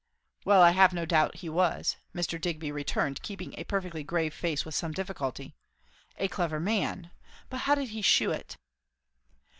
"Well, I have no doubt he was," Mr. Digby returned, keeping a perfectly grave face with some difficulty; "a clever man; but how did he shew it?"